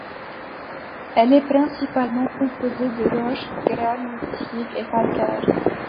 Elle est principalement composée de roches granitiques et calcaires.